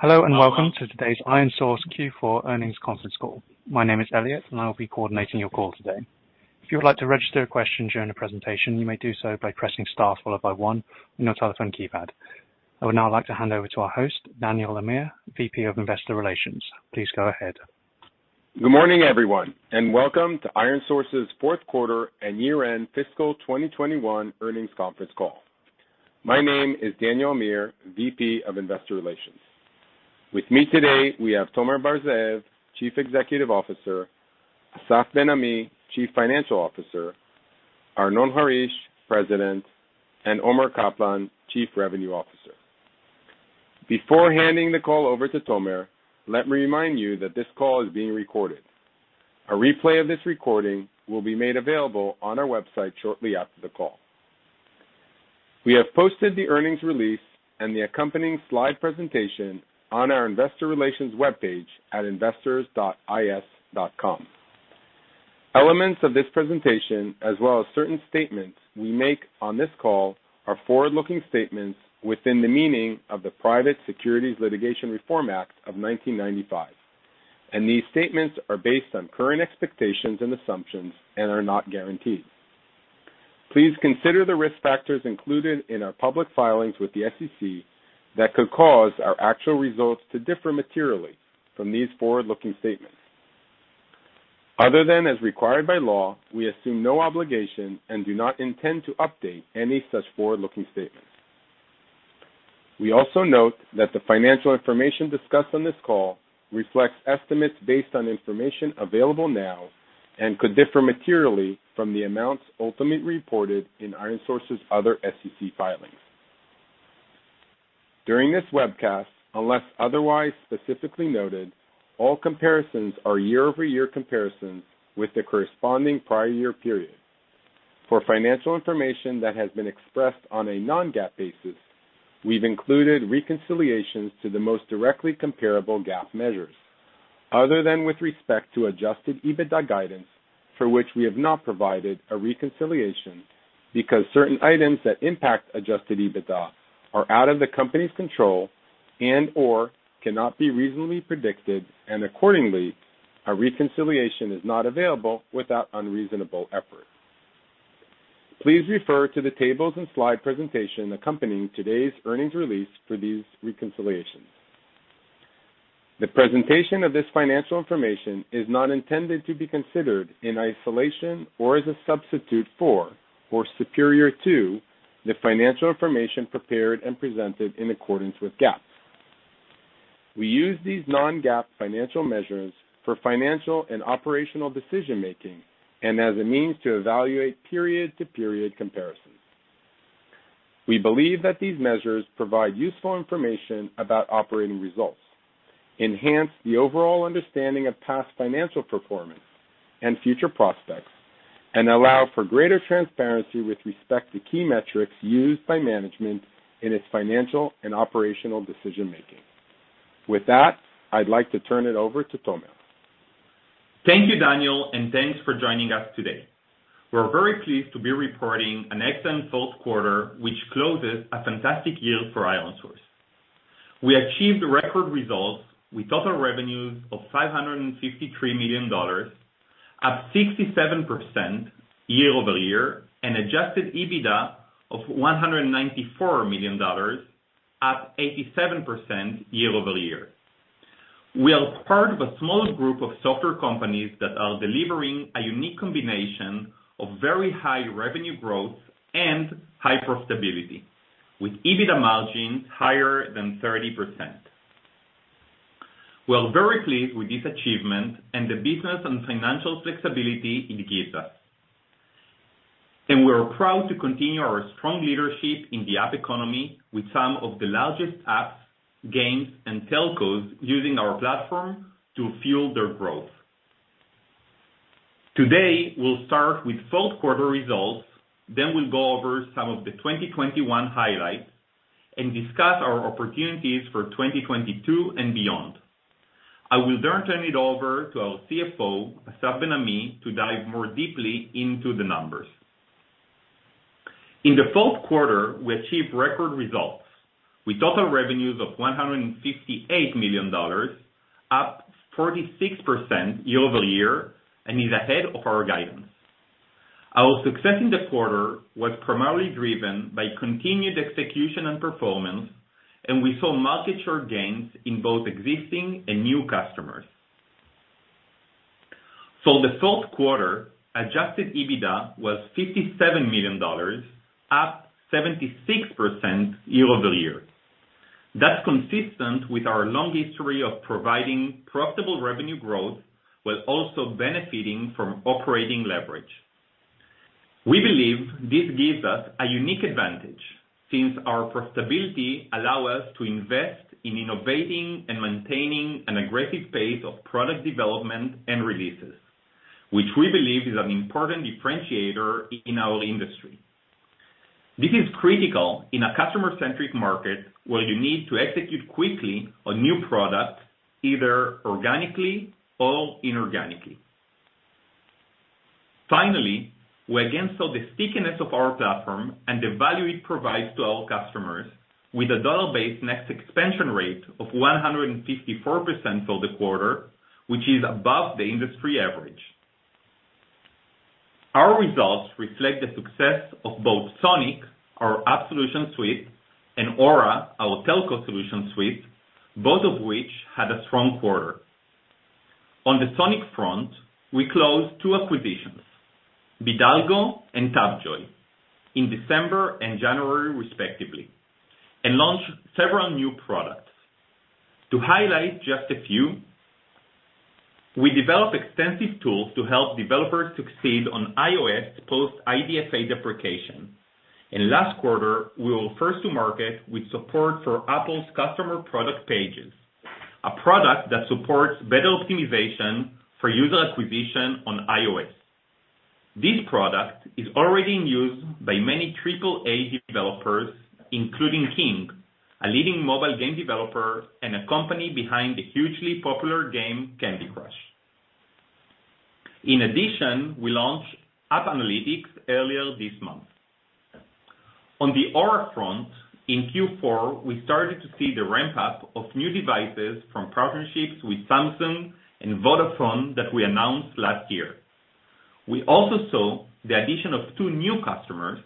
Hello, and Welcome to today's ironSource Q4 Earnings Conference Call. My name is Elliot, and I will be coordinating your call today. If you would like to register a question during the presentation, you may do so by pressing star followed by one on your telephone keypad. I would now like to hand over to our host, Daniel Amir, VP of Investor Relations. Please go ahead. Good morning, everyone, and welcome to ironSource's fourth quarter and year-end fiscal 2021 earnings conference call. My name is Daniel Amir, VP of Investor Relations. With me today, we have Tomer Bar-Zeev, Chief Executive Officer, Assaf Ben Ami, Chief Financial Officer, Arnon Harish, President, and Omer Kaplan, Chief Revenue Officer. Before handing the call over to Tomer, let me remind you that this call is being recorded. A replay of this recording will be made available on our website shortly after the call. We have posted the earnings release and the accompanying slide presentation on our investor relations webpage at investors.is.com. Elements of this presentation, as well as certain statements we make on this call, are forward-looking statements within the meaning of the Private Securities Litigation Reform Act of 1995. These statements are based on current expectations and assumptions and are not guaranteed. Please consider the risk factors included in our public filings with the SEC that could cause our actual results to differ materially from these forward-looking statements. Other than as required by law, we assume no obligation and do not intend to update any such forward-looking statements. We also note that the financial information discussed on this call reflects estimates based on information available now and could differ materially from the amounts ultimately reported in ironSource's other SEC filings. During this webcast, unless otherwise specifically noted, all comparisons are year-over-year comparisons with the corresponding prior year period. For financial information that has been expressed on a non-GAAP basis, we've included reconciliations to the most directly comparable GAAP measures. Other than with respect to adjusted EBITDA guidance, for which we have not provided a reconciliation because certain items that impact adjusted EBITDA are out of the company's control and/or cannot be reasonably predicted, and accordingly, a reconciliation is not available without unreasonable effort. Please refer to the tables and slide presentation accompanying today's earnings release for these reconciliations. The presentation of this financial information is not intended to be considered in isolation or as a substitute for or superior to the financial information prepared and presented in accordance with GAAP. We use these non-GAAP financial measures for financial and operational decision-making and as a means to evaluate period-to-period comparisons. We believe that these measures provide useful information about operating results, enhance the overall understanding of past financial performance and future prospects, and allow for greater transparency with respect to key metrics used by management in its financial and operational decision-making. With that, I'd like to turn it over to Tomer. Thank you, Daniel, and thanks for joining us today. We're very pleased to be reporting an excellent fourth quarter, which closes a fantastic year for ironSource. We achieved record results with total revenues of $553 million, up 67% year-over-year, and adjusted EBITDA of $194 million, up 87% year-over-year. We are part of a small group of software companies that are delivering a unique combination of very high revenue growth and high profitability, with EBITDA margins higher than 30%. We are very pleased with this achievement and the business and financial flexibility it gives us. We are proud to continue our strong leadership in the app economy with some of the largest apps, games, and telcos using our platform to fuel their growth. Today, we'll start with fourth quarter results, then we'll go over some of the 2021 highlights and discuss our opportunities for 2022 and beyond. I will then turn it over to our CFO, Assaf Ben Ami, to dive more deeply into the numbers. In the fourth quarter, we achieved record results with total revenues of $158 million, up 46% year-over-year, and it's ahead of our guidance. Our success in the quarter was primarily driven by continued execution and performance, and we saw market share gains in both existing and new customers. For the fourth quarter, adjusted EBITDA was $57 million, up 76% year-over-year. That's consistent with our long history of providing profitable revenue growth while also benefiting from operating leverage. We believe this gives us a unique advantage since our profitability allow us to invest in innovating and maintaining an aggressive pace of product development and releases, which we believe is an important differentiator in our industry. This is critical in a customer-centric market where you need to execute quickly on new products, either organically or inorganically. Finally, we again saw the stickiness of our platform and the value it provides to our customers with a dollar-based net expansion rate of 154% for the quarter, which is above the industry average. Our results reflect the success of both Sonic, our app solution suite, and Aura, our telco solution suite, both of which had a strong quarter. On the Sonic front, we closed two acquisitions, Bidalgo and Tapjoy, in December and January respectively, and launched several new products. To highlight just a few, we developed extensive tools to help developers succeed on iOS post-IDFA deprecation. Last quarter, we were first to market with support for Apple's custom product pages, a product that supports better optimization for user acquisition on iOS. This product is already in use by many triple-A developers, including King, a leading mobile game developer and a company behind the hugely popular game Candy Crush. In addition, we launched App Analytics earlier this month. On the Aura front, in Q4, we started to see the ramp-up of new devices from partnerships with Samsung and Vodafone that we announced last year. We also saw the addition of 2 new customers,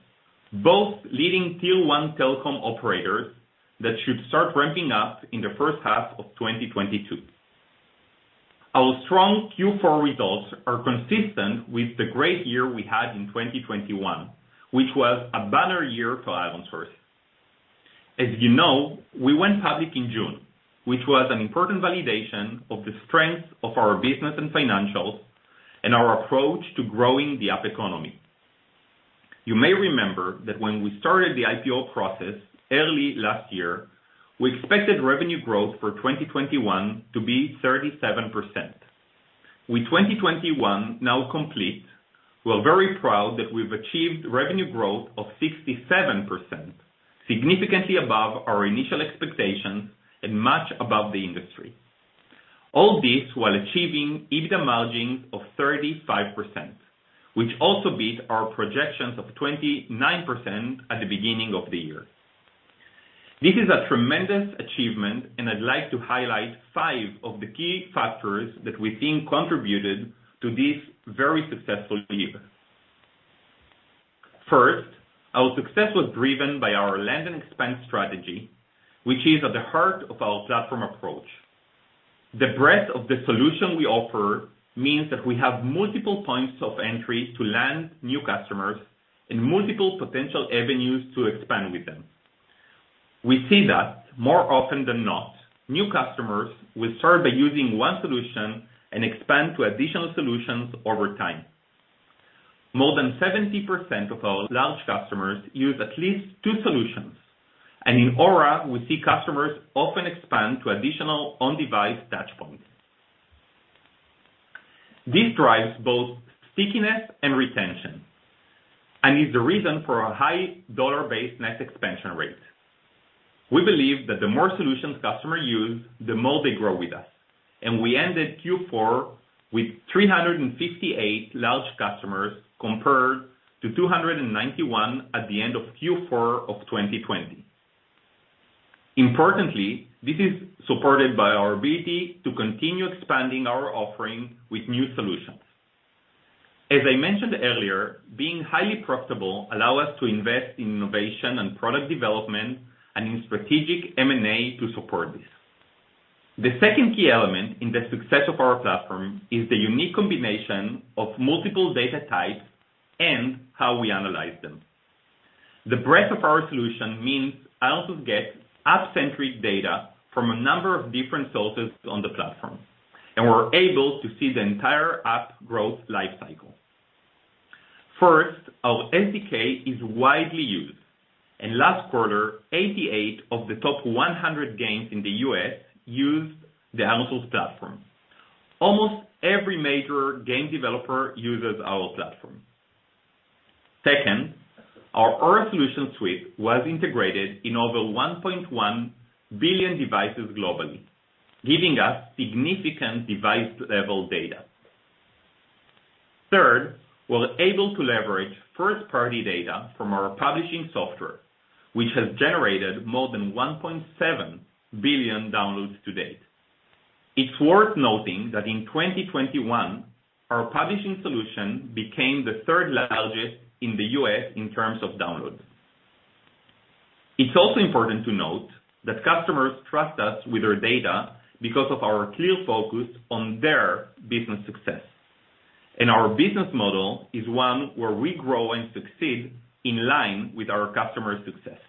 both leading tier one telecom operators that should start ramping up in the first half of 2022. Our strong Q4 results are consistent with the great year we had in 2021, which was a banner year for ironSource. As you know, we went public in June, which was an important validation of the strength of our business and financials and our approach to growing the app economy. You may remember that when we started the IPO process early last year, we expected revenue growth for 2021 to be 37%. With 2021 now complete, we are very proud that we've achieved revenue growth of 67%, significantly above our initial expectations and much above the industry. All this while achieving EBITDA margins of 35%, which also beat our projections of 29% at the beginning of the year. This is a tremendous achievement, and I'd like to highlight five of the key factors that we think contributed to this very successful year. First, our success was driven by our land and expand strategy, which is at the heart of our platform approach. The breadth of the solution we offer means that we have multiple points of entry to land new customers and multiple potential avenues to expand with them. We see that more often than not, new customers will start by using one solution and expand to additional solutions over time. More than 70% of our large customers use at least two solutions. In Aura, we see customers often expand to additional on-device touch points. This drives both stickiness and retention and is the reason for our high dollar-based net expansion rate. We believe that the more solutions customers use, the more they grow with us. We ended Q4 with 358 large customers, compared to 291 at the end of Q4 of 2020. Importantly, this is supported by our ability to continue expanding our offering with new solutions. As I mentioned earlier, being highly profitable allow us to invest in innovation and product development and in strategic M&A to support this. The second key element in the success of our platform is the unique combination of multiple data types and how we analyze them. The breadth of our solution means I also get app-centric data from a number of different sources on the platform, and we're able to see the entire app growth lifecycle. First, our SDK is widely used. In last quarter, 88 of the top 100 games in the U.S. used the Amazon platform. Almost every major game developer uses our platform. Second, our Aura solution suite was integrated in over 1.1 billion devices globally, giving us significant device-level data. Third, we're able to leverage first-party data from our publishing software, which has generated more than 1.7 billion downloads to date. It's worth noting that in 2021, our publishing solution became the third largest in the U.S. in terms of downloads. It's also important to note that customers trust us with their data because of our clear focus on their business success. Our business model is one where we grow and succeed in line with our customers' success.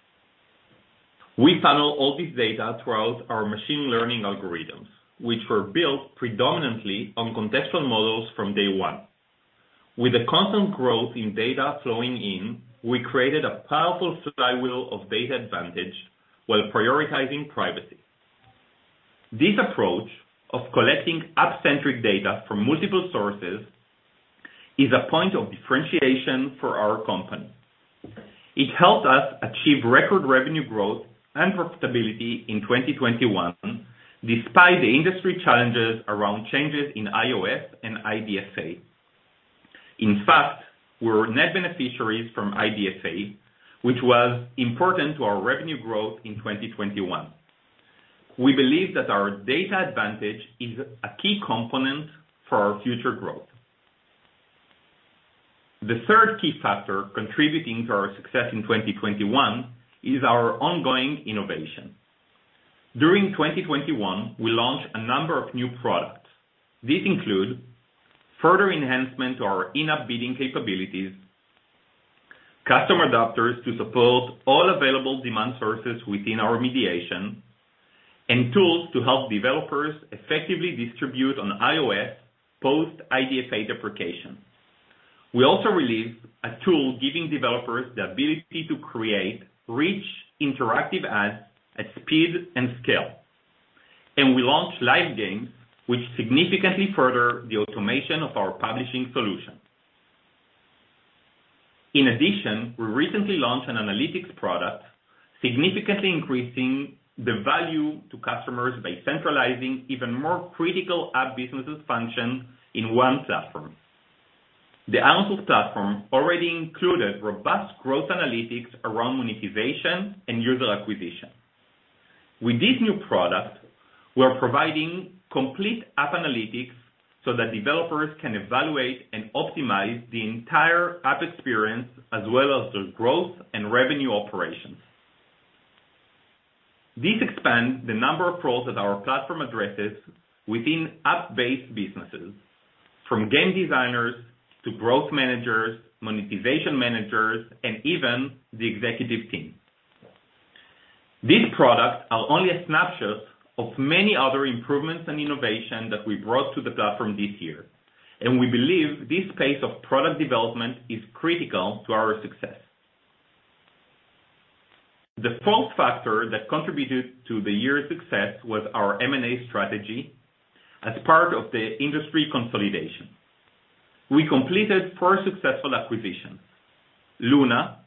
We funnel all this data throughout our machine learning algorithms, which were built predominantly on contextual models from day one. With the constant growth in data flowing in, we created a powerful flywheel of data advantage while prioritizing privacy. This approach of collecting app-centric data from multiple sources is a point of differentiation for our company. It helped us achieve record revenue growth and profitability in 2021, despite the industry challenges around changes in iOS and IDFA. In fact, we were net beneficiaries from IDFA, which was important to our revenue growth in 2021. We believe that our data advantage is a key component for our future growth. The third key factor contributing to our success in 2021 is our ongoing innovation. During 2021, we launched a number of new products. These include further enhancement to our in-app bidding capabilities, customer adapters to support all available demand sources within our mediation, and tools to help developers effectively distribute on iOS post IDFA deprecation. We also released a tool giving developers the ability to create rich interactive ads at speed and scale. We launched LiveGames, which significantly further the automation of our publishing solution. In addition, we recently launched an analytics product, significantly increasing the value to customers by centralizing even more critical app business functions in one platform. The ironSource platform already included robust growth analytics around monetization and user acquisition. With this new product, we are providing complete App Analytics so that developers can evaluate and optimize the entire app experience as well as the growth and revenue operations. This expands the number of roles that our platform addresses within app-based businesses, from game designers to growth managers, monetization managers, and even the executive team. These products are only a snapshot of many other improvements and innovation that we brought to the platform this year, and we believe this pace of product development is critical to our success. The fourth factor that contributed to the year's success was our M&A strategy as part of the industry consolidation. We completed four successful acquisitions, Luna Labs,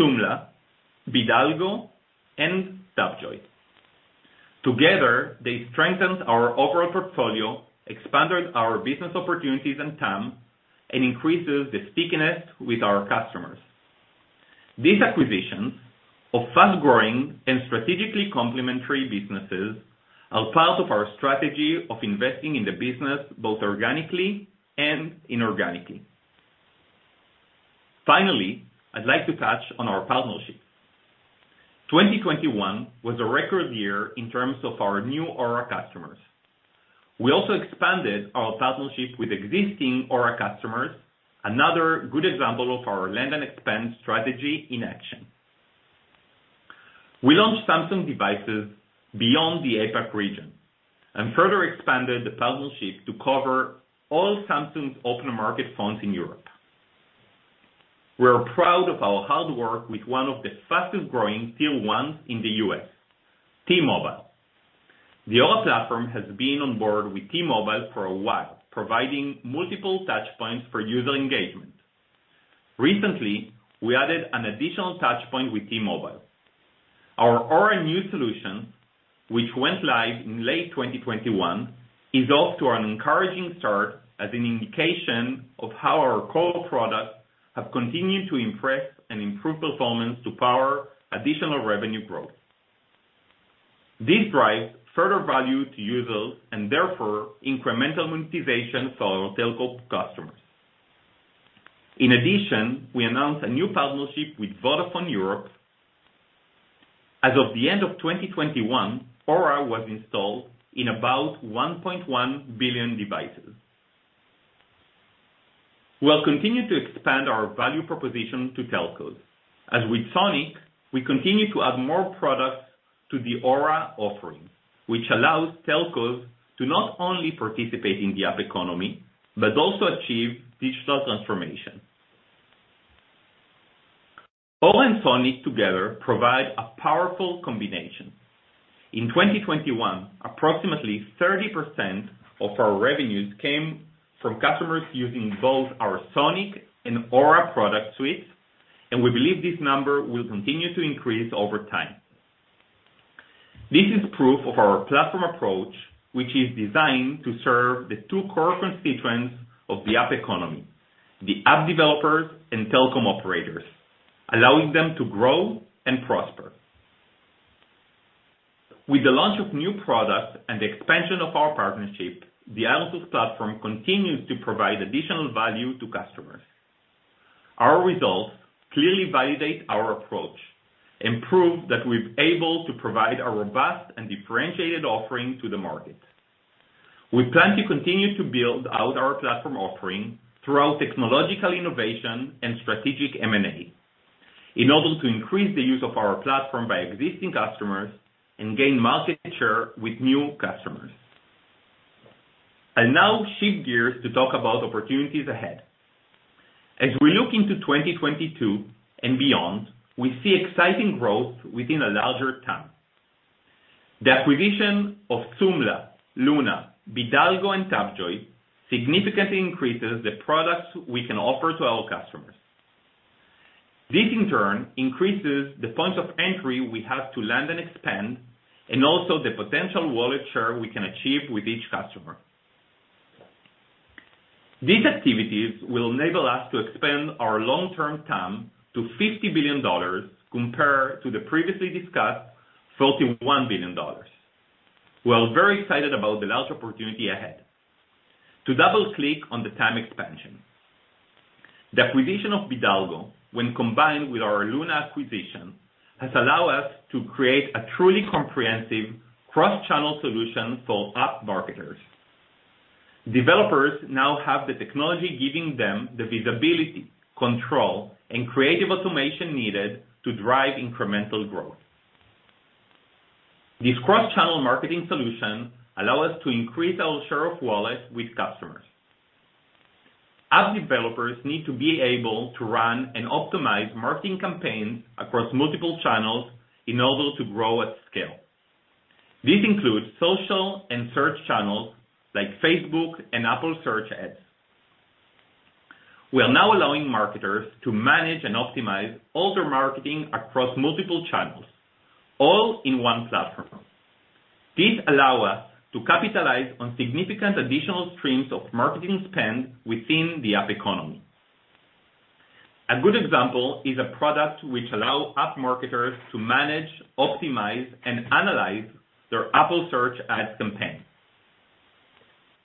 Soomla, Bidalgo, and Tapjoy. Together, they strengthened our overall portfolio, expanded our business opportunities and TAM, and increases the stickiness with our customers. These acquisitions of fast-growing and strategically complementary businesses are part of our strategy of investing in the business, both organically and inorganically. Finally, I'd like to touch on our partnerships. 2021 was a record year in terms of our new Aura customers. We also expanded our partnership with existing Aura customers, another good example of our land and expand strategy in action. We launched Samsung devices beyond the APAC region and further expanded the partnership to cover all Samsung's open market phones in Europe. We are proud of our hard work with one of the fastest-growing tier ones in the U.S., T-Mobile. The Aura platform has been on board with T-Mobile for a while, providing multiple touch points for user engagement. Recently, we added an additional touch point with T-Mobile. Our Aura new solution, which went live in late 2021, is off to an encouraging start as an indication of how our core products have continued to impress and improve performance to power additional revenue growth. This drives further value to users and therefore incremental monetization for our telco customers. In addition, we announced a new partnership with Vodafone Europe. As of the end of 2021, Aura was installed in about 1.1 billion devices. We'll continue to expand our value proposition to telcos, as with Sonic, we continue to add more products to the Aura offering, which allows telcos to not only participate in the app economy but also achieve digital transformation. Aura and Sonic together provide a powerful combination. In 2021, approximately 30% of our revenues came from customers using both our Sonic and Aura product suites, and we believe this number will continue to increase over time. This is proof of our platform approach, which is designed to serve the two core constituents of the app economy, the app developers and telecom operators, allowing them to grow and prosper. With the launch of new products and the expansion of our partnership, the ironSource platform continues to provide additional value to customers. Our results clearly validate our approach and prove that we're able to provide a robust and differentiated offering to the market. We plan to continue to build out our platform offering through our technological innovation and strategic M&A in order to increase the use of our platform by existing customers and gain market share with new customers. I now shift gears to talk about opportunities ahead. As we look into 2022 and beyond, we see exciting growth within a larger TAM. The acquisition of Soomla, Luna Labs, Bidalgo, and Tapjoy significantly increases the products we can offer to our customers. This, in turn, increases the points of entry we have to land and expand, and also the potential wallet share we can achieve with each customer. These activities will enable us to expand our long-term TAM to $50 billion compared to the previously discussed $41 billion. We are very excited about the large opportunity ahead. To double-click on the TAM expansion, the acquisition of Bidalgo, when combined with our Luna acquisition, has allowed us to create a truly comprehensive cross-channel solution for app marketers. Developers now have the technology giving them the visibility, control, and creative automation needed to drive incremental growth. This cross-channel marketing solution allow us to increase our share of wallet with customers. As developers need to be able to run and optimize marketing campaigns across multiple channels in order to grow at scale. This includes social and search channels like Facebook and Apple Search Ads. We are now allowing marketers to manage and optimize all their marketing across multiple channels, all in one platform. This allow us to capitalize on significant additional streams of marketing spend within the app economy. A good example is a product which allow app marketers to manage, optimize, and analyze their Apple Search Ads campaigns.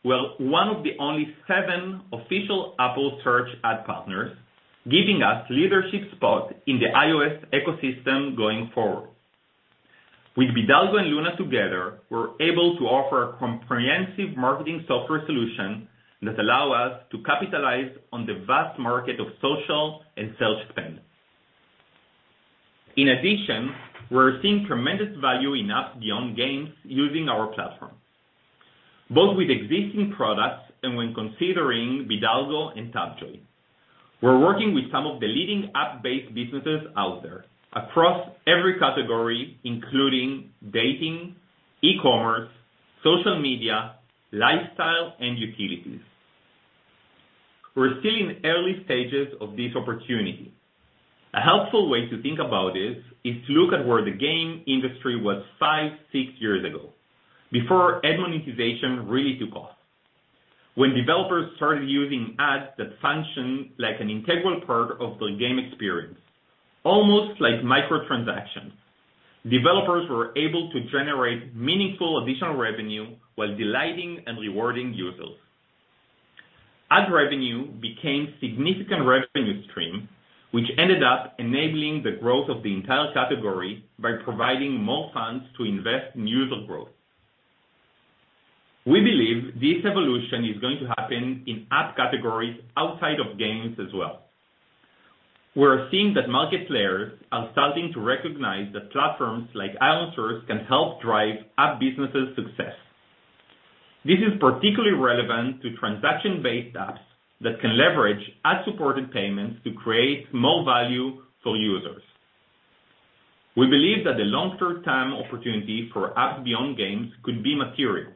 We're one of the only seven official Apple Search Ads partners, giving us leadership spot in the iOS ecosystem going forward. With Bidalgo and Luna together, we're able to offer a comprehensive marketing software solution that allow us to capitalize on the vast market of social and search spend. In addition, we're seeing tremendous value in apps beyond games using our platform, both with existing products and when considering Bidalgo and Tapjoy. We're working with some of the leading app-based businesses out there across every category, including dating, e-commerce, social media, lifestyle, and utilities. We're still in early stages of this opportunity. A helpful way to think about this is to look at where the game industry was five, six years ago, before ad monetization really took off. When developers started using ads that functioned like an integral part of the game experience, almost like micro-transactions, developers were able to generate meaningful additional revenue while delighting and rewarding users. Ad revenue became significant revenue stream, which ended up enabling the growth of the entire category by providing more funds to invest in user growth. We believe this evolution is going to happen in app categories outside of games as well. We're seeing that market players are starting to recognize that platforms like ironSource can help drive app businesses' success. This is particularly relevant to transaction-based apps that can leverage ad-supported payments to create more value for users. We believe that the long-term TAM opportunity for apps beyond games could be material.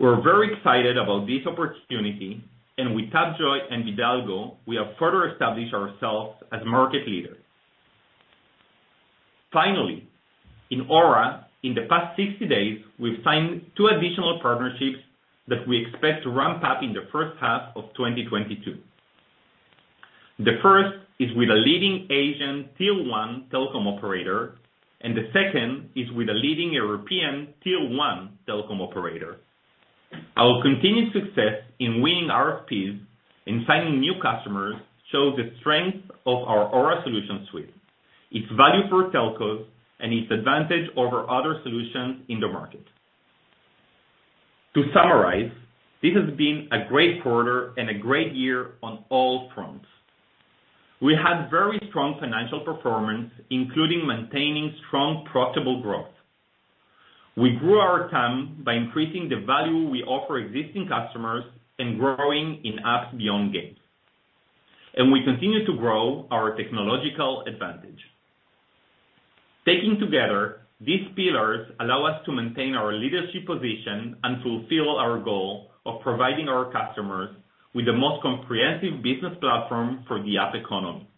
We're very excited about this opportunity, and with Tapjoy and Bidalgo, we have further established ourselves as market leader. Finally, in Aura, in the past 60 days, we've signed 2 additional partnerships that we expect to ramp up in the first half of 2022. The first is with a leading Asian tier-one telecom operator, and the second is with a leading European tier-one telecom operator. Our continued success in winning RFPs and signing new customers shows the strength of our Aura solution suite, its value for telcos, and its advantage over other solutions in the market. To summarize, this has been a great quarter and a great year on all fronts. We had very strong financial performance, including maintaining strong profitable growth. We grew our TAM by increasing the value we offer existing customers and growing in apps beyond games. We continue to grow our technological advantage. Taken together, these pillars allow us to maintain our leadership position and fulfill our goal of providing our customers with the most comprehensive business platform for the app economy.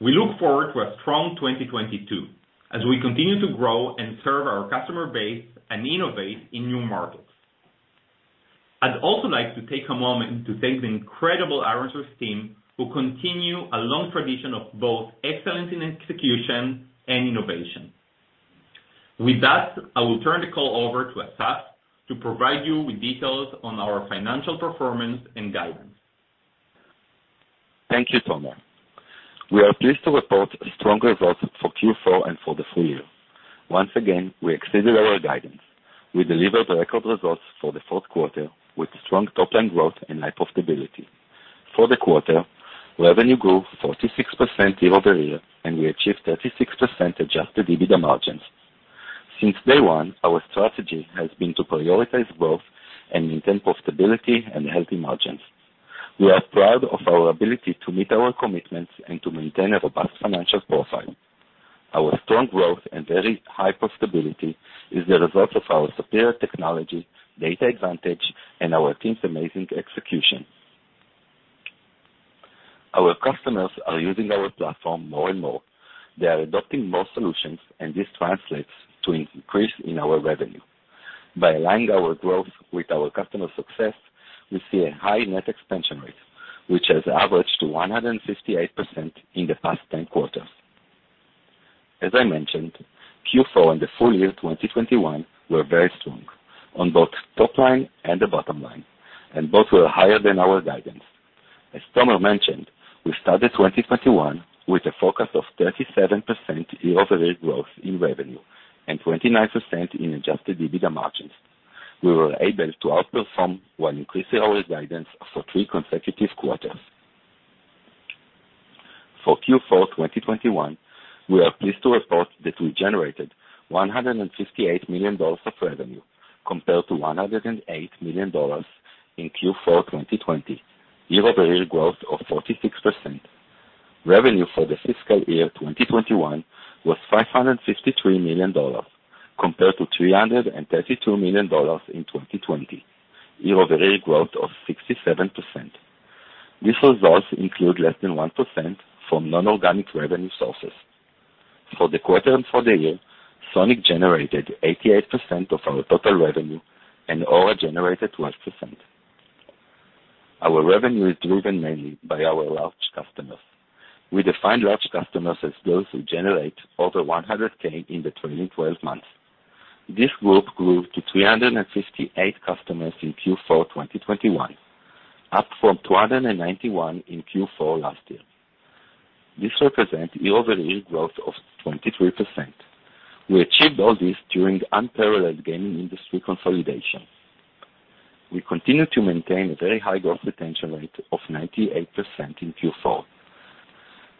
We look forward to a strong 2022 as we continue to grow and serve our customer base and innovate in new markets. I'd also like to take a moment to thank the incredible ironSource team who continue a long tradition of both excellence in execution and innovation. With that, I will turn the call over to Assaf to provide you with details on our financial performance and guidance. Thank you, Tomer. We are pleased to report strong results for Q4 and for the full year. Once again, we exceeded our guidance. We delivered record results for the fourth quarter with strong top-line growth and high profitability. For the quarter, revenue grew 46% year-over-year, and we achieved 36% adjusted EBITDA margins. Since day one, our strategy has been to prioritize growth and maintain profitability and healthy margins. We are proud of our ability to meet our commitments and to maintain a robust financial profile. Our strong growth and very high profitability is the result of our superior technology, data advantage, and our team's amazing execution. Our customers are using our platform more and more. They are adopting more solutions, and this translates to increase in our revenue. By aligning our growth with our customer success, we see a high net expansion rate, which has averaged to 158% in the past 10 quarters. As I mentioned, Q4 and the full year 2021 were very strong on both top line and the bottom line, and both were higher than our guidance. As Tomer mentioned, we started 2021 with a focus of 37% year-over-year growth in revenue and 29% in adjusted EBITDA margins. We were able to outperform while increasing our guidance for 3 consecutive quarters. For Q4 2021, we are pleased to report that we generated $158 million of revenue compared to $108 million in Q4 2020, year-over-year growth of 46%. Revenue for the fiscal year 2021 was $553 million compared to $332 million in 2020, year-over-year growth of 67%. These results include less than 1% from non-organic revenue sources. For the quarter and for the year, Sonic generated 88% of our total revenue, and Aura generated 12%. Our revenue is driven mainly by our large customers. We define large customers as those who generate over $100,000 in the trailing twelve months. This group grew to 358 customers in Q4 2021, up from 291 in Q4 last year. This represent year-over-year growth of 23%. We achieved all this during unparalleled gaming industry consolidation. We continue to maintain a very high growth retention rate of 98% in Q4.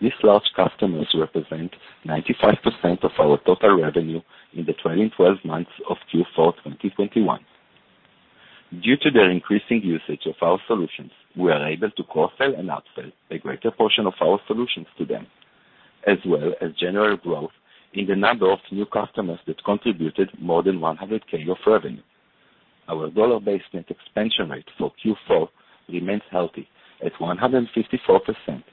These large customers represent 95% of our total revenue in the trailing twelve months of Q4 2021. Due to their increasing usage of our solutions, we are able to cross-sell and up-sell a greater portion of our solutions to them, as well as general growth in the number of new customers that contributed more than $100,000 of revenue. Our dollar-based net expansion rate for Q4 remains healthy at 154%,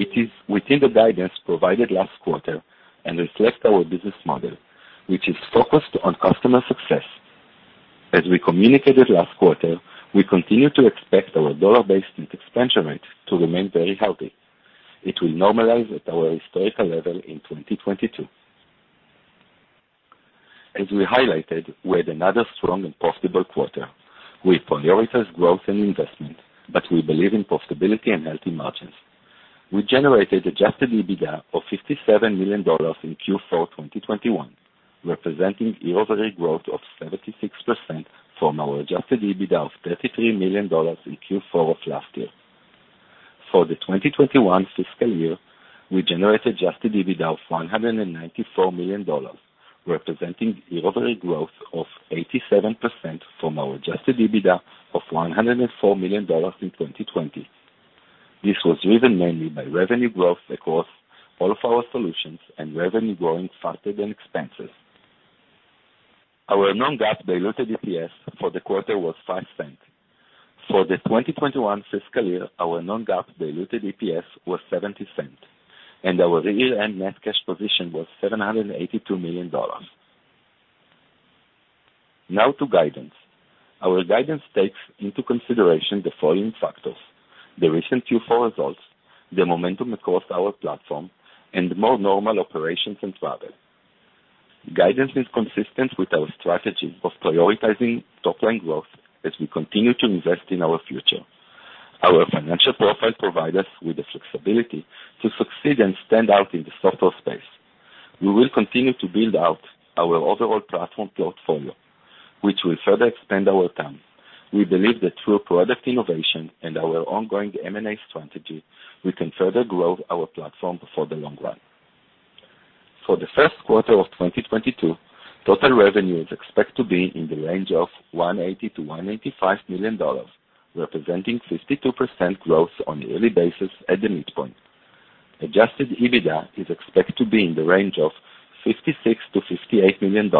which is within the guidance provided last quarter and reflects our business model, which is focused on customer success. As we communicated last quarter, we continue to expect our dollar-based net expansion rate to remain very healthy. It will normalize at our historical level in 2022. As we highlighted, we had another strong and profitable quarter. We prioritize growth and investment, but we believe in profitability and healthy margins. We generated adjusted EBITDA of $57 million in Q4 2021, representing year-over-year growth of 76% from our adjusted EBITDA of $33 million in Q4 of last year. For the 2021 fiscal year, we generated adjusted EBITDA of $194 million, representing year-over-year growth of 87% from our adjusted EBITDA of $104 million in 2020. This was driven mainly by revenue growth across all of our solutions and revenue growing faster than expenses. Our non-GAAP diluted EPS for the quarter was $0.05. For the 2021 fiscal year, our non-GAAP diluted EPS was $0.70, and our year-end net cash position was $782 million. Now to guidance. Our guidance takes into consideration the following factors, the recent Q4 results, the momentum across our platform, and more normal operations and travel. Guidance is consistent with our strategy of prioritizing top line growth as we continue to invest in our future. Our financial profile provide us with the flexibility to succeed and stand out in the software space. We will continue to build out our overall platform portfolio, which will further expand our TAM. We believe that through product innovation and our ongoing M&A strategy, we can further grow our platform for the long run. For the first quarter of 2022, total revenue is expected to be in the range of $180 million-$185 million, representing 52% growth on a yearly basis at the midpoint. Adjusted EBITDA is expected to be in the range of $56 million-$58 million,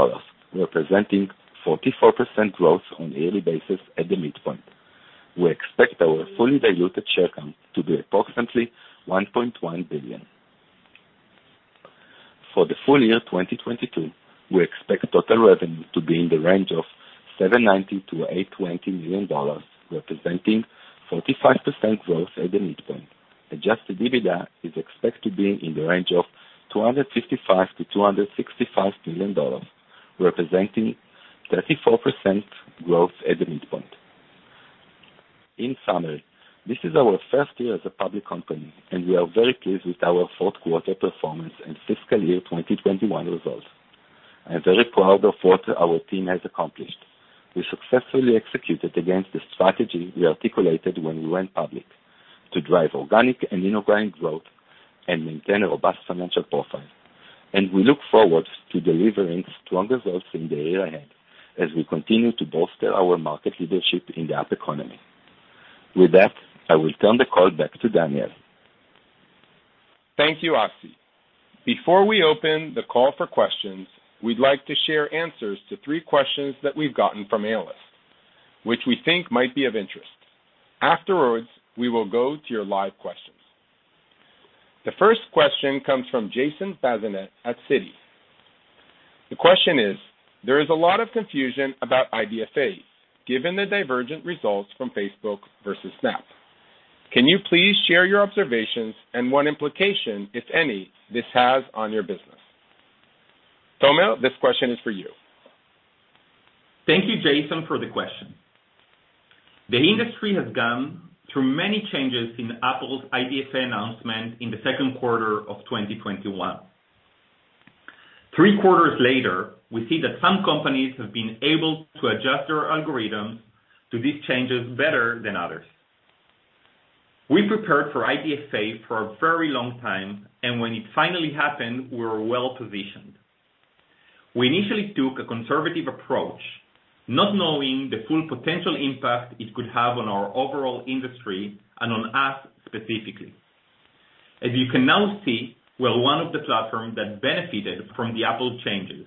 representing 44% growth on a yearly basis at the midpoint. We expect our fully diluted share count to be approximately 1.1 billion. For the full year 2022, we expect total revenue to be in the range of $790 million-$820 million, representing 45% growth at the midpoint. Adjusted EBITDA is expected to be in the range of $255 million-$265 million, representing 34% growth at the midpoint. In summary, this is our first year as a public company, and we are very pleased with our fourth quarter performance and fiscal year 2021 results. I am very proud of what our team has accomplished. We successfully executed against the strategy we articulated when we went public to drive organic and inorganic growth and maintain a robust financial profile. We look forward to delivering strong results in the year ahead as we continue to bolster our market leadership in the app economy. With that, I will turn the call back to Daniel. Thank you, Asi. Before we open the call for questions, we'd like to share answers to three questions that we've gotten from analysts, which we think might be of interest. Afterwards, we will go to your live questions. The first question comes from Jason Bazinet at Citi. The question is: There is a lot of confusion about IDFA, given the divergent results from Facebook versus Snap. Can you please share your observations and what implication, if any, this has on your business? Tomer, this question is for you. Thank you, Jason, for the question. The industry has gone through many changes in Apple's IDFA announcement in the second quarter of 2021. Three quarters later, we see that some companies have been able to adjust their algorithms to these changes better than others. We prepared for IDFA for a very long time, and when it finally happened, we were well-positioned. We initially took a conservative approach, not knowing the full potential impact it could have on our overall industry and on us specifically. As you can now see, we're one of the platforms that benefited from the Apple changes.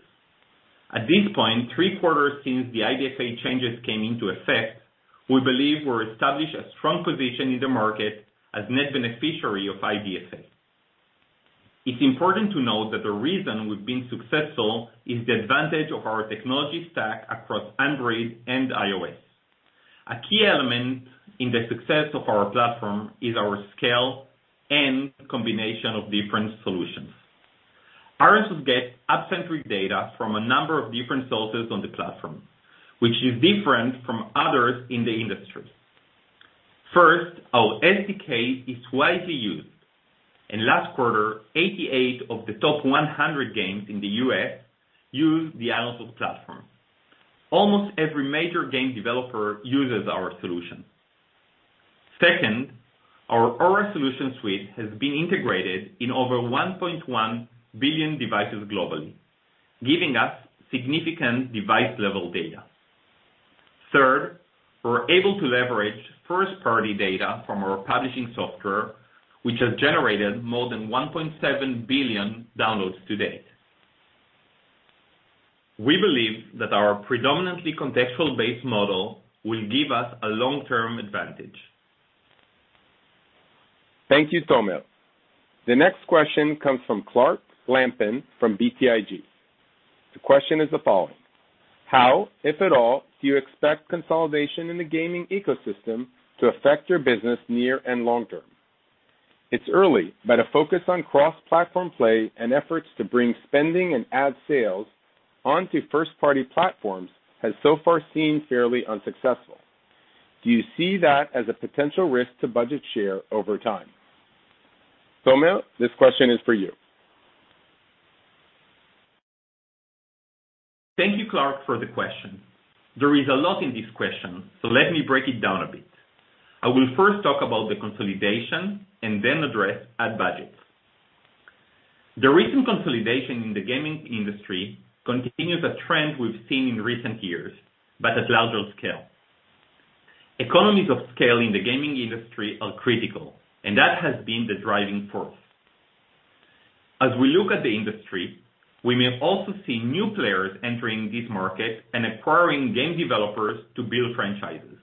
At this point, three quarters since the IDFA changes came into effect, we believe we've established a strong position in the market as net beneficiary of IDFA. It's important to note that the reason we've been successful is the advantage of our technology stack across Android and iOS. A key element in the success of our platform is our scale and combination of different solutions. ironSource gets app-centric data from a number of different sources on the platform, which is different from others in the industry. First, our SDK is widely used. In last quarter, 88 of the top 100 games in the U.S. used the ironSource platform. Almost every major game developer uses our solution. Second, our Aura solution suite has been integrated in over 1.1 billion devices globally, giving us significant device-level data. Third, we're able to leverage first-party data from our publishing software, which has generated more than 1.7 billion downloads to date. We believe that our predominantly contextual-based model will give us a long-term advantage. Thank you, Tomer. The next question comes from Clark Lampen from BTIG. The question is the following: How, if at all, do you expect consolidation in the gaming ecosystem to affect your business near and long term? It's early, but a focus on cross-platform play and efforts to bring spending and ad sales onto first-party platforms has so far seemed fairly unsuccessful. Do you see that as a potential risk to budget share over time? Tomer, this question is for you. Thank you, Clark, for the question. There is a lot in this question, so let me break it down a bit. I will first talk about the consolidation and then address ad budgets. The recent consolidation in the gaming industry continues a trend we've seen in recent years, but at larger scale. Economies of scale in the gaming industry are critical, and that has been the driving force. As we look at the industry, we may also see new players entering this market and acquiring game developers to build franchises,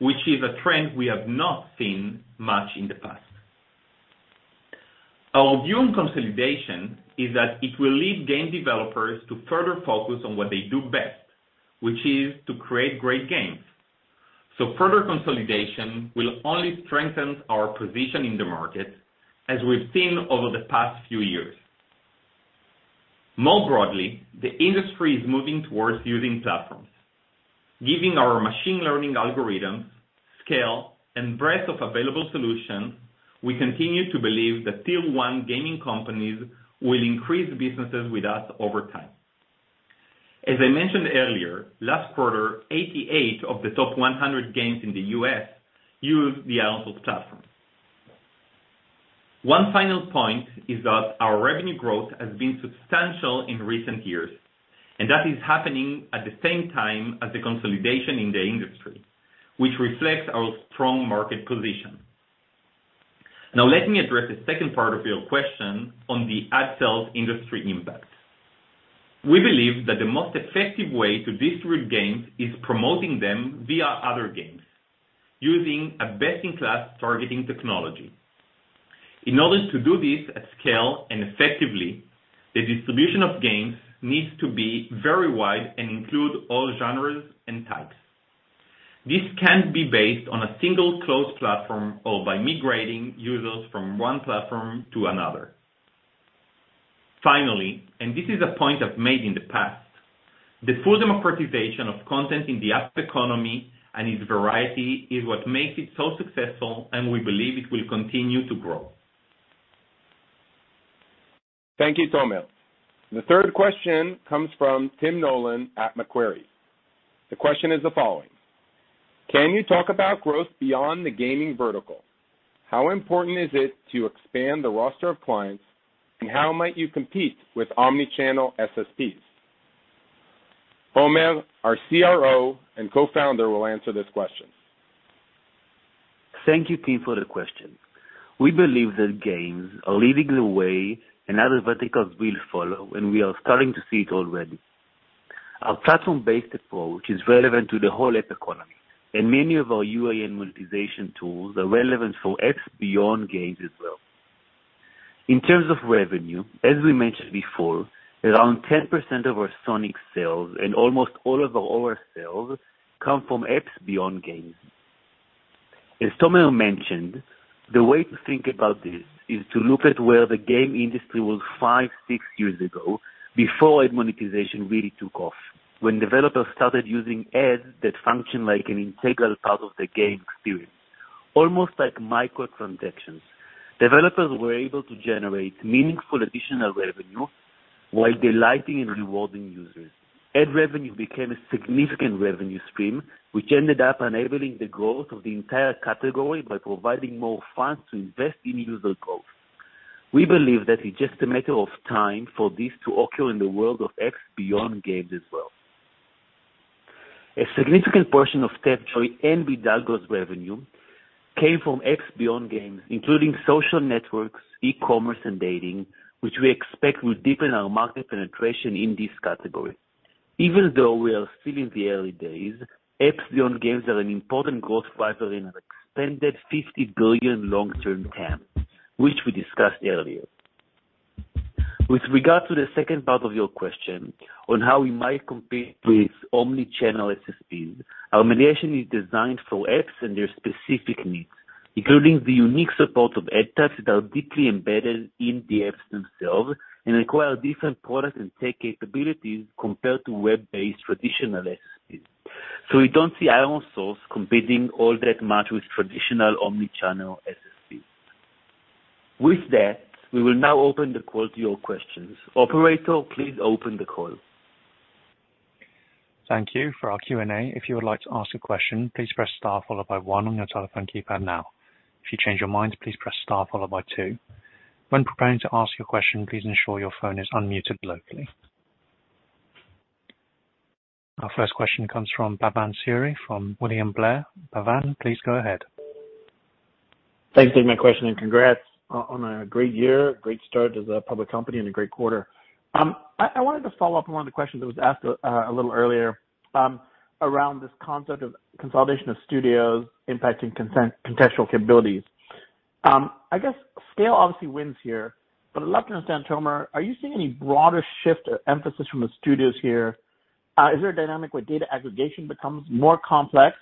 which is a trend we have not seen much in the past. Our view on consolidation is that it will lead game developers to further focus on what they do best, which is to create great games. Further consolidation will only strengthen our position in the market, as we've seen over the past few years. More broadly, the industry is moving towards using platforms. Given our machine learning algorithms, scale, and breadth of available solutions, we continue to believe that tier one gaming companies will increase businesses with us over time. As I mentioned earlier, last quarter, 88 of the top 100 games in the U.S. used the ironSource platform. One final point is that our revenue growth has been substantial in recent years, and that is happening at the same time as the consolidation in the industry, which reflects our strong market position. Now, let me address the second part of your question on the ad sales industry impact. We believe that the most effective way to distribute games is promoting them via other games using a best-in-class targeting technology. In order to do this at scale and effectively, the distribution of games needs to be very wide and include all genres and types. This can't be based on a single closed platform or by migrating users from one platform to another. Finally, and this is a point I've made in the past, the full democratization of content in the app economy and its variety is what makes it so successful, and we believe it will continue to grow. Thank you, Tomer. The third question comes from Tim Nolan at Macquarie. The question is the following. Can you talk about growth beyond the gaming vertical? How important is it to expand the roster of clients, and how might you compete with omni-channel SSPs? Omer, our CRO and co-founder, will answer this question. Thank you, Tim, for the question. We believe that games are leading the way and other verticals will follow, and we are starting to see it already. Our platform-based approach is relevant to the whole app economy, and many of our UA monetization tools are relevant for apps beyond games as well. In terms of revenue, as we mentioned before, around 10% of our Sonic sales and almost all of our Aura sales come from apps beyond games. As Tomer mentioned, the way to think about this is to look at where the game industry was five, six years ago before ad monetization really took off. When developers started using ads that functioned like an integral part of the game experience, almost like micro-transactions, developers were able to generate meaningful additional revenue while delighting and rewarding users. Ad revenue became a significant revenue stream, which ended up enabling the growth of the entire category by providing more funds to invest in user growth. We believe that it's just a matter of time for this to occur in the world of apps beyond games as well. A significant portion of Tapjoy and Bidalgo's revenue came from apps beyond games, including social networks, e-commerce and dating, which we expect will deepen our market penetration in this category. Even though we are still in the early days, apps beyond games are an important growth driver in an expanded $50 billion long-term TAM, which we discussed earlier. With regard to the second part of your question on how we might compete with omni-channel SSPs, our mediation is designed for apps and their specific needs, including the unique support of ad tech that are deeply embedded in the apps themselves and require different products and tech capabilities compared to web-based traditional SSPs. We don't see ironSource competing all that much with traditional omni-channel SSPs. With that, we will now open the call to your questions. Operator, please open the call. Thank you. For our Q&A, if you would like to ask a question, please press star followed by one on your telephone keypad now. If you change your mind, please press star followed by two. When preparing to ask your question, please ensure your phone is unmuted locally. Our first question comes from Bhavan Suri, from William Blair. Bhavan, please go ahead. Thanks for taking my question and congrats on a great year, great start as a public company and a great quarter. I wanted to follow up on one of the questions that was asked a little earlier around this concept of consolidation of studios impacting contextual capabilities. I guess scale obviously wins here, but I'd love to understand, Tomer, are you seeing any broader shift of emphasis from the studios here? Is there a dynamic where data aggregation becomes more complex,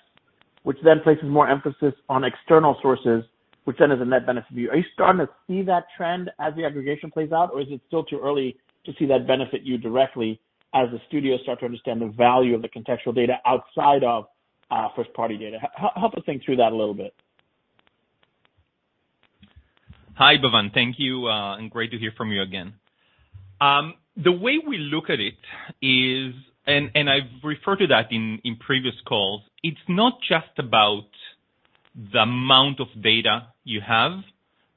which then places more emphasis on external sources, which then is a net benefit to you? Are you starting to see that trend as the aggregation plays out, or is it still too early to see that benefit you directly as the studios start to understand the value of the contextual data outside of first-party data? Help us think through that a little bit. Hi, Bhavan. Thank you, and great to hear from you again. The way we look at it is and I've referred to that in previous calls. It's not just about the amount of data you have,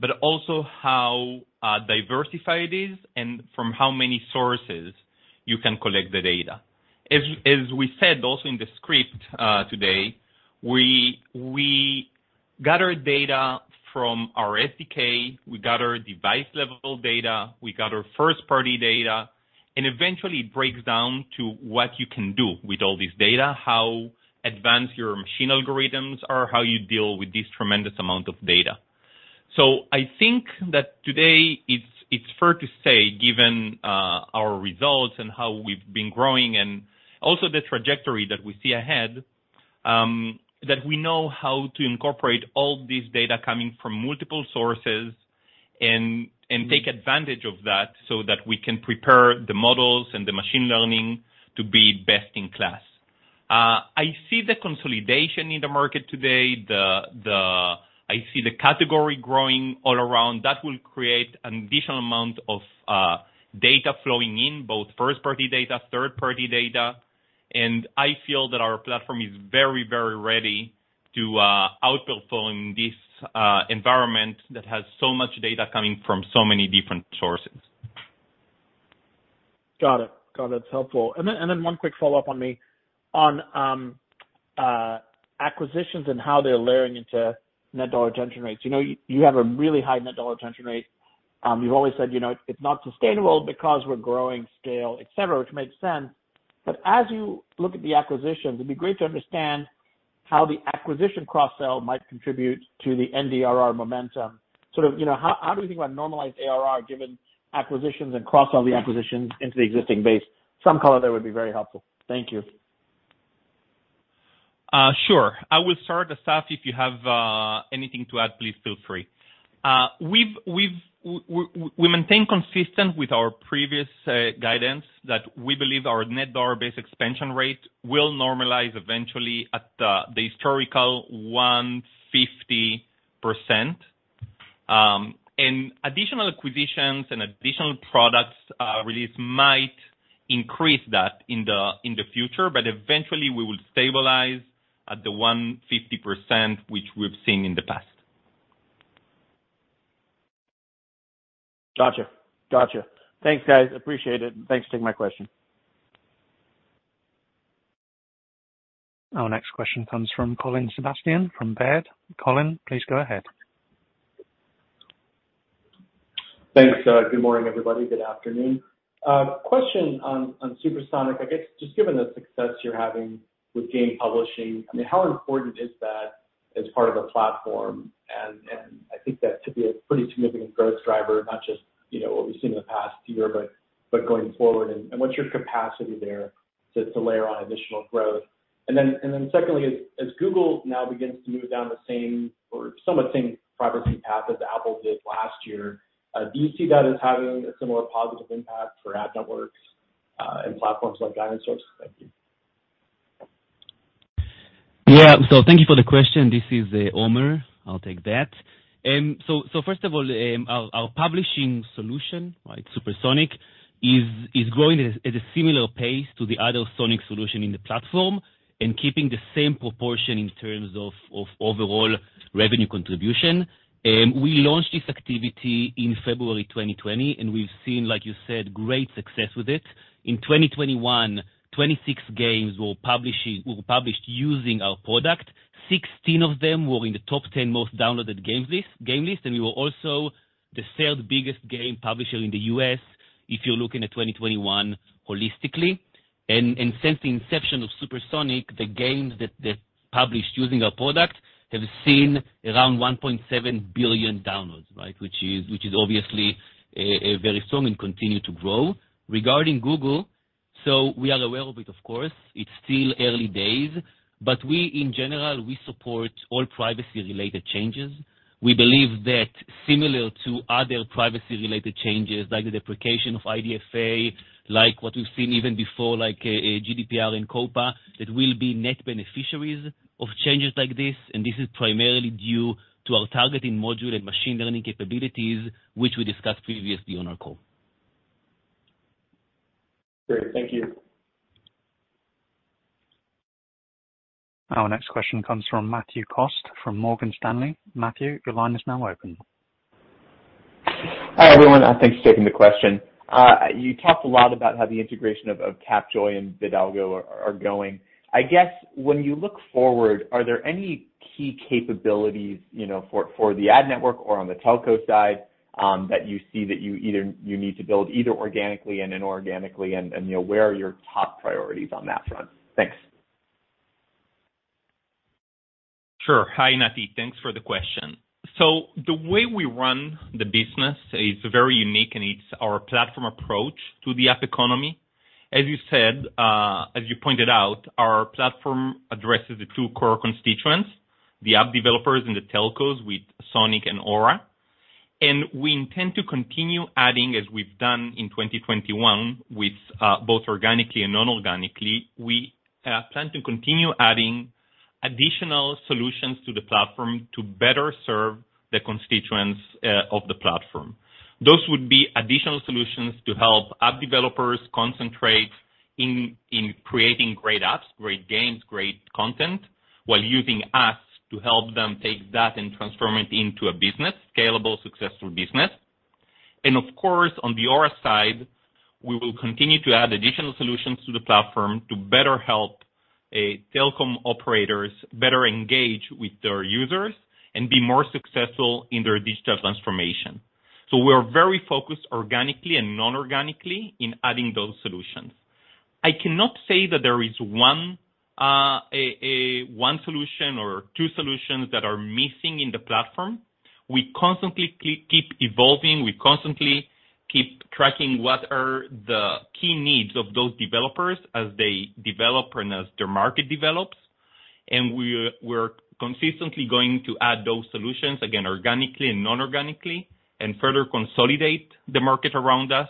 but also how diversified it is and from how many sources you can collect the data. As we said also in the script, today, we gather data from our SDK, we gather device-level data, we gather first-party data, and eventually it breaks down to what you can do with all this data, how advanced your machine algorithms are, how you deal with this tremendous amount of data. I think that today it's fair to say, given our results and how we've been growing and also the trajectory that we see ahead, that we know how to incorporate all this data coming from multiple sources and take advantage of that so that we can prepare the models and the machine learning to be best in class. I see the consolidation in the market today. I see the category growing all around. That will create an additional amount of data flowing in, both first-party data, third-party data, and I feel that our platform is very, very ready to outperform this environment that has so much data coming from so many different sources. Got it. It's helpful. One quick follow-up from me on acquisitions and how they're layering into net dollar retention rates. You know, you have a really high net dollar retention rate. You've always said, you know, it's not sustainable because we're growing scale, et cetera, which makes sense. As you look at the acquisitions, it'd be great to understand how the acquisition cross-sell might contribute to the NDRR momentum. Sort of, you know, how do we think about normalized ARR given acquisitions and cross-sell the acquisitions into the existing base? Some color there would be very helpful. Thank you. Sure. I will start. Assaf, if you have anything to add, please feel free. We maintain consistent with our previous guidance that we believe our dollar-based net expansion rate will normalize eventually at the historical 150%, and additional acquisitions and additional products release might increase that in the future, but eventually we will stabilize at the 150% which we've seen in the past. Gotcha. Thanks, guys. Appreciate it. Thanks for taking my question. Our next question comes from Colin Sebastian, from Baird. Colin, please go ahead. Thanks. Good morning, everybody. Good afternoon. Question on Supersonic. I guess, just given the success you're having with game publishing, I mean, how important is that as part of a platform? I think that could be a pretty significant growth driver, not just, you know, what we've seen in the past year, but going forward. What's your capacity there to layer on additional growth? Secondly, as Google now begins to move down the same or somewhat same privacy path as Apple did last year, do you see that as having a similar positive impact for ad networks and platforms like ironSource? Thank you. Yeah. Thank you for the question. This is Omer. I'll take that. So first of all, our publishing solution, right, Supersonic is growing at a similar pace to the other Sonic solution in the platform and keeping the same proportion in terms of overall revenue contribution. We launched this activity in February 2020, and we've seen, like you said, great success with it. In 2021, 26 games were published using our product. Sixteen of them were in the top 10 most downloaded game list, and we were also the third biggest game publisher in the U.S. if you're looking at 2021 holistically. Since the inception of Supersonic, the games that published using our product have seen around 1.7 billion downloads, right? Which is obviously a very strong and continue to grow. Regarding Google, we are aware of it, of course. It's still early days. We in general support all privacy related changes. We believe that similar to other privacy related changes like the deprecation of IDFA, like what we've seen even before, like GDPR and COPPA, it will be net beneficiaries of changes like this, and this is primarily due to our targeting module and machine learning capabilities, which we discussed previously on our call. Great. Thank you. Our next question comes from Matthew Cost from Morgan Stanley. Matthew, your line is now open. Hi, everyone. Thanks for taking the question. You talked a lot about how the integration of Tapjoy and Bidalgo are going. I guess when you look forward, are there any key capabilities, you know, for the ad network or on the telco side, that you see that you either need to build either organically and inorganically, and you know, where are your top priorities on that front? Thanks. Sure. Hi, Matthew. Thanks for the question. The way we run the business is very unique, and it's our platform approach to the app economy. As you said, as you pointed out, our platform addresses the two core constituents, the app developers and the telcos with Sonic and Aura. We intend to continue adding, as we've done in 2021, with both organically and non-organically. We plan to continue adding additional solutions to the platform to better serve the constituents of the platform. Those would be additional solutions to help app developers concentrate in creating great apps, great games, great content, while using us to help them take that and transform it into a business, scalable, successful business. Of course, on the Aura side, we will continue to add additional solutions to the platform to better help telecom operators better engage with their users and be more successful in their digital transformation. We're very focused organically and non-organically in adding those solutions. I cannot say that there is one solution or two solutions that are missing in the platform. We constantly keep evolving. We constantly keep tracking what are the key needs of those developers as they develop and as their market develops. We're consistently going to add those solutions, again, organically and non-organically, and further consolidate the market around us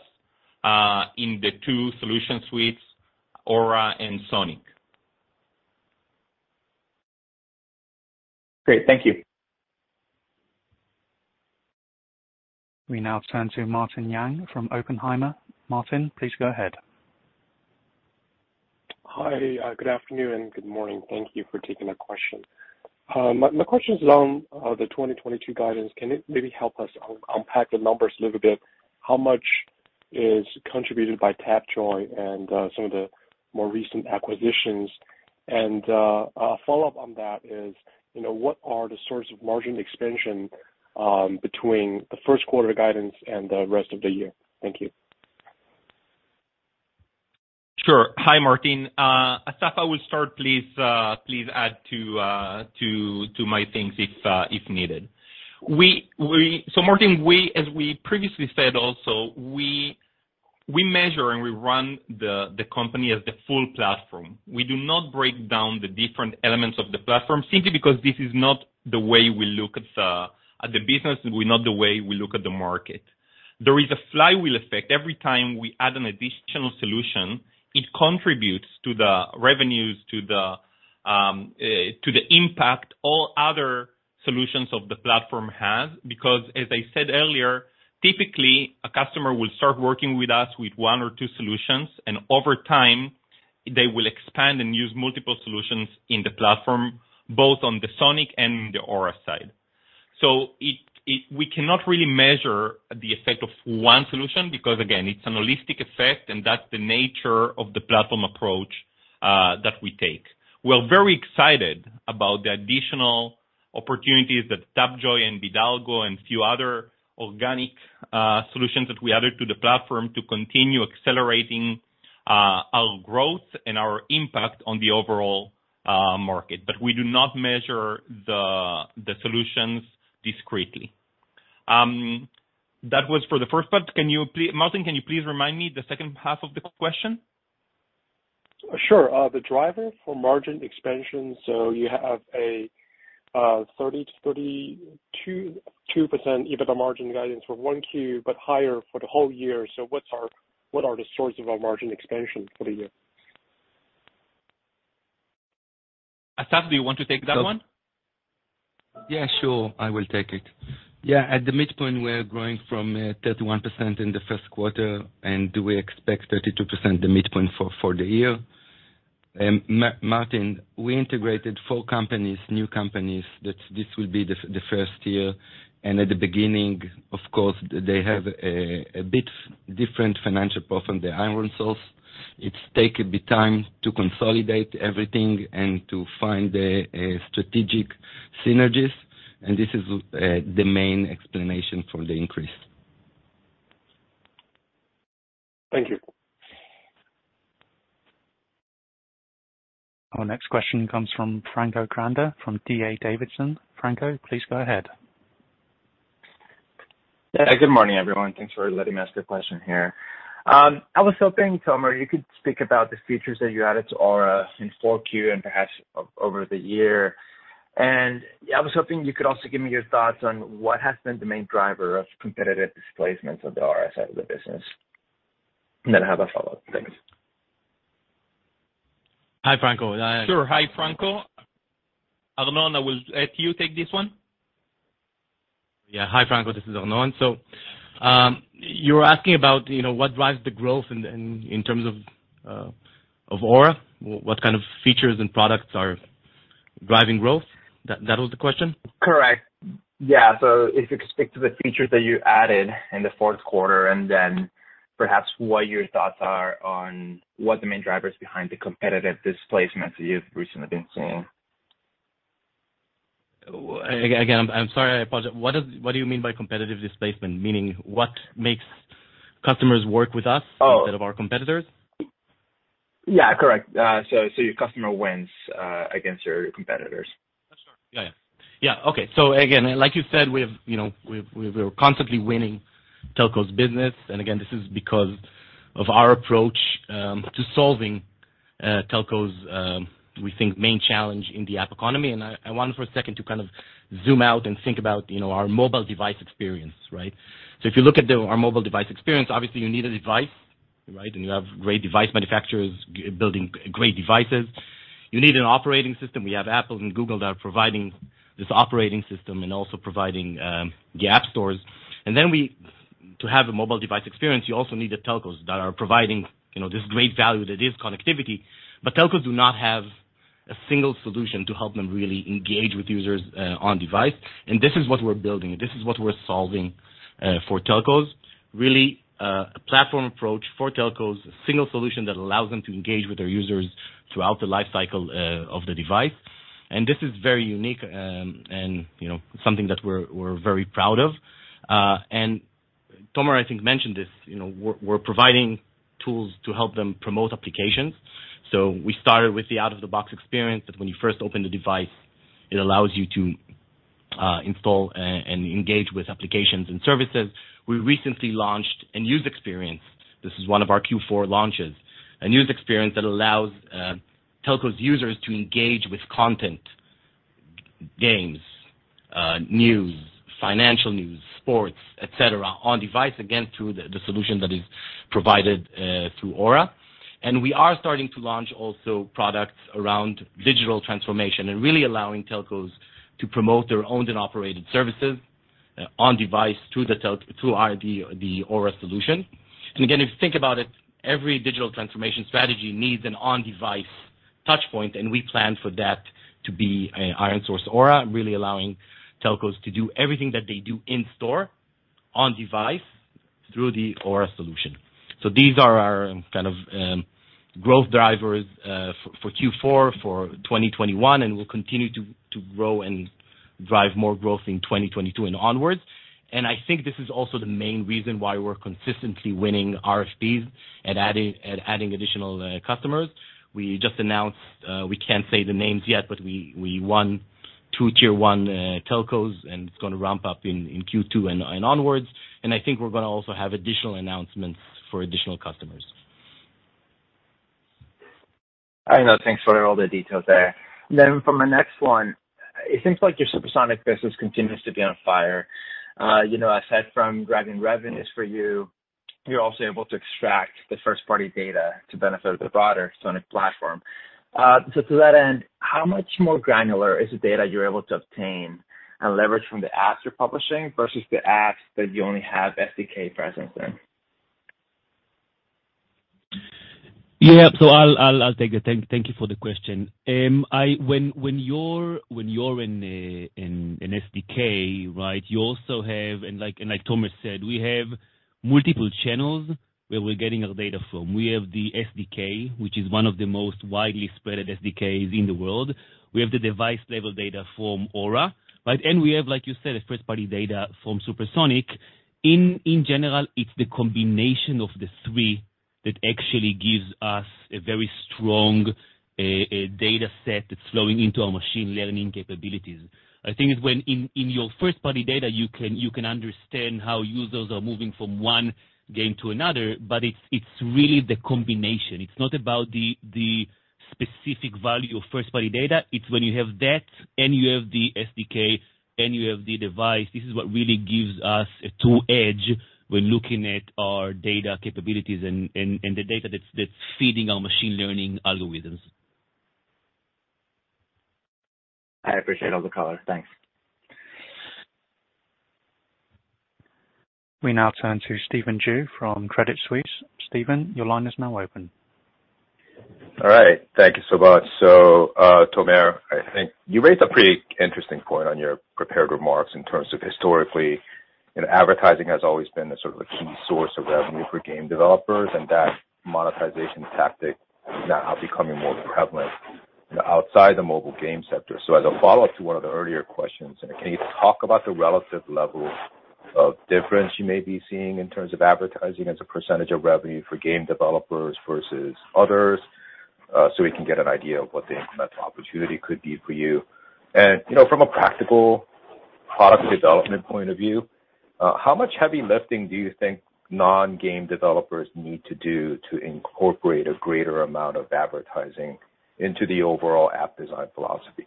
in the two solution suites, Aura and Sonic. Great. Thank you. We now turn to Martin Yang from Oppenheimer. Martin, please go ahead. Hi. Good afternoon and good morning. Thank you for taking the question. My question is on the 2022 guidance. Can you maybe help us unpack the numbers a little bit? How much is contributed by Tapjoy and some of the more recent acquisitions? A follow-up on that is, you know, what are the source of margin expansion between the first quarter guidance and the rest of the year? Thank you. Sure. Hi, Martin. Assaf, I will start. Please add to my things if needed. Martin, as we previously said also, we measure and we run the company as the full platform. We do not break down the different elements of the platform simply because this is not the way we look at the business and not the way we look at the market. There is a flywheel effect. Every time we add an additional solution, it contributes to the revenues, to the impact all other solutions of the platform has. Because, as I said earlier, typically, a customer will start working with us with one or two solutions, and over time, they will expand and use multiple solutions in the platform, both on the Sonic and the Aura side. We cannot really measure the effect of one solution because, again, it's a holistic effect, and that's the nature of the platform approach that we take. We're very excited about the additional opportunities that Tapjoy and Bidalgo and few other organic solutions that we added to the platform to continue accelerating our growth and our impact on the overall market. We do not measure the solutions discretely. That was for the first part. Martin, can you please remind me the second half of the question? Sure. The driver for margin expansion. You have a 30%-32.2% EBITDA margin guidance for Q1, but higher for the whole year. What are the source of our margin expansion for the year? Assaf, do you want to take that one? Yeah, sure. I will take it. Yeah. At the midpoint, we're growing from 31% in the first quarter, and we expect 32% at the midpoint for the year. Martin, we integrated four companies, new companies, that this will be the first year. At the beginning, of course, they have a bit different financial profile than ironSource. It's taken a bit of time to consolidate everything and to find the strategic synergies. This is the main explanation for the increase. Thank you. Our next question comes from Franco Granda, from D.A. Davidson. Franco, please go ahead. Yeah. Good morning, everyone. Thanks for letting me ask a question here. I was hoping, Tomer, you could speak about the features that you added to Aura in Q4 and perhaps over the year. I was hoping you could also give me your thoughts on what has been the main driver of competitive displacement of the Aura side of the business. I have a follow-up. Thanks. Hi, Franco. Sure. Hi, Franco. Arnon, I will let you take this one. Yeah. Hi, Franco. This is Arnon. You're asking about, you know, what drives the growth in terms of Aura, what kind of features and products are driving growth? That was the question? Correct. Yeah. If you could speak to the features that you added in the fourth quarter and then perhaps what your thoughts are on what the main drivers behind the competitive displacement you've recently been seeing? Again, I'm sorry. I apologize. What do you mean by competitive displacement? Meaning what makes customers work with us? Oh. Instead of our competitors? Yeah, correct. Your customer wins against your competitors. That's right. Yeah, yeah. Yeah. Okay. Again, like you said, we have, you know, we're constantly winning telcos business. Again, this is because of our approach to solving telcos, we think, main challenge in the app economy. I want for a second to kind of zoom out and think about, you know, our mobile device experience, right? If you look at our mobile device experience, obviously you need a device, right? You have great device manufacturers building great devices. You need an operating system. We have Apple and Google that are providing this operating system and also providing the app stores. To have a mobile device experience, you also need the telcos that are providing, you know, this great value that is connectivity. Telcos do not have a single solution to help them really engage with users on device. This is what we're building. This is what we're solving for telcos, really, a platform approach for telcos, a single solution that allows them to engage with their users throughout the life cycle of the device. This is very unique, and you know, something that we're very proud of. Tomer, I think, mentioned this, you know, we're providing tools to help them promote applications. We started with the out-of-the-box experience that when you first open the device, it allows you to install and engage with applications and services. We recently launched a news experience. This is one of our Q4 launches. A news experience that allows telcos users to engage with content, games, news, financial news, sports, et cetera, on device, again, through the solution that is provided through Aura. We are starting to launch also products around digital transformation and really allowing telcos to promote their owned and operated services on device through the Aura solution. Again, if you think about it, every digital transformation strategy needs an on-device touch point, and we plan for that to be ironSource Aura, really allowing telcos to do everything that they do in-store on device through the Aura solution. These are our kind of growth drivers for Q4 for 2021, and will continue to grow and drive more growth in 2022 and onwards. I think this is also the main reason why we're consistently winning RFPs and adding additional customers. We just announced, we can't say the names yet, but we won two tier one telcos, and it's gonna ramp up in Q2 and onwards. I think we're gonna also have additional announcements for additional customers. I know. Thanks for all the details there. For my next one, it seems like your Supersonic business continues to be on fire. You know, aside from driving revenues for you're also able to extract the first party data to benefit the broader Sonic platform. To that end, how much more granular is the data you're able to obtain and leverage from the apps you're publishing versus the apps that you only have SDK presence in? I'll take it. Thank you for the question. When you're in a SDK, right, you also have like Tomer said, we have multiple channels where we're getting our data from. We have the SDK, which is one of the most widely spread SDKs in the world. We have the device level data from Aura, right? We have, like you said, first party data from Supersonic. In general, it's the combination of the three that actually gives us a very strong data set that's flowing into our machine learning capabilities. I think it's when in your first party data, you can understand how users are moving from one game to another, but it's really the combination. It's not about the specific value of first party data. It's when you have that and you have the SDK and you have the device. This is what really gives us a true edge when looking at our data capabilities and the data that's feeding our machine learning algorithms. I appreciate all the color. Thanks. We now turn to Stephen Ju from Credit Suisse. Stephen, your line is now open. All right. Thank you so much. Tomer, I think you raised a pretty interesting point on your prepared remarks in terms of historically, you know, advertising has always been a sort of a key source of revenue for game developers, and that monetization tactic is now becoming more prevalent, you know, outside the mobile game sector. As a follow-up to one of the earlier questions, can you talk about the relative level of difference you may be seeing in terms of advertising as a percentage of revenue for game developers versus others? We can get an idea of what the incremental opportunity could be for you. You know, from a practical product development point of view, how much heavy lifting do you think non-game developers need to do to incorporate a greater amount of advertising into the overall app design philosophy?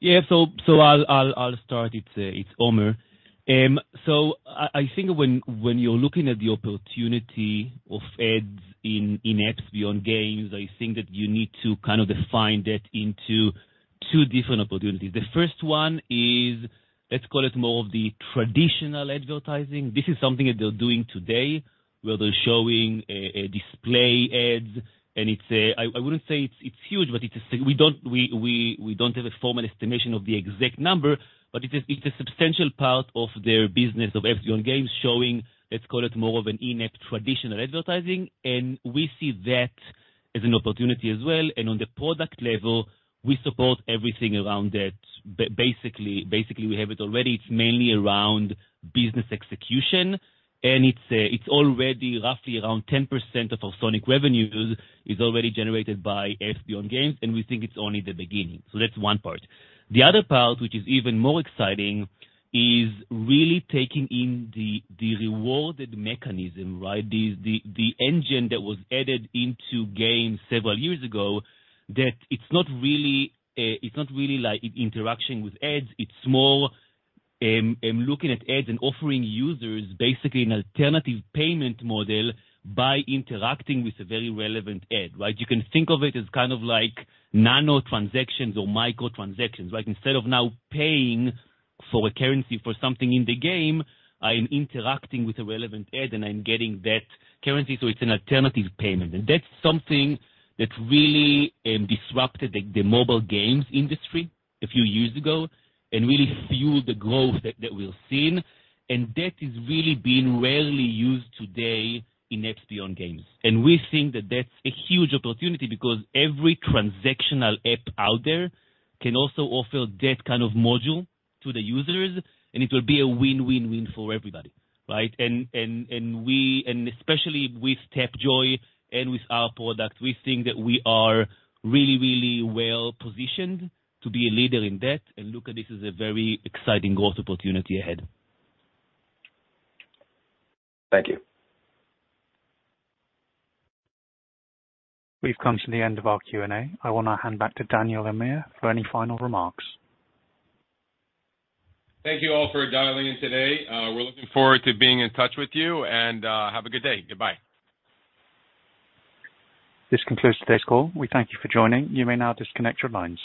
Thanks. I'll start. It's Omer. I think when you're looking at the opportunity of ads in apps beyond games, I think that you need to kind of define that into two different opportunities. The first one is, let's call it more of the traditional advertising. This is something that they're doing today, where they're showing display ads. I wouldn't say it's huge, but it is. We don't have a formal estimation of the exact number, but it is a substantial part of their business of apps beyond games showing, let's call it more of an in-app traditional advertising, and we see that as an opportunity as well. On the product level, we support everything around it. Basically, we have it already. It's mainly around business execution, and it's already roughly around 10% of our Sonic revenues already generated by apps beyond games, and we think it's only the beginning. That's one part. The other part, which is even more exciting, is really taking the rewarded mechanism, right? The engine that was added into games several years ago that it's not really like interaction with ads. It's more looking at ads and offering users basically an alternative payment model by interacting with a very relevant ad, right? You can think of it as kind of like nano transactions or micro transactions. Like, instead of now paying for a currency for something in the game, I'm interacting with a relevant ad, and I'm getting that currency, so it's an alternative payment. That's something that really disrupted the mobile games industry a few years ago and really fueled the growth that we're seeing. That is really being rarely used today in apps beyond games. We think that that's a huge opportunity because every transactional app out there can also offer that kind of module to the users, and it will be a win-win-win for everybody, right? Especially with Tapjoy and with our product, we think that we are really, really well positioned to be a leader in that and look at this as a very exciting growth opportunity ahead. Thank you. We've come to the end of our Q&A. I want to hand back to Daniel and Amir for any final remarks. Thank you all for dialing in today. We're looking forward to being in touch with you. Have a good day. Goodbye. This concludes today's call. We thank you for joining. You may now disconnect your lines.